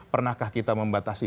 pernahkah kita membatasi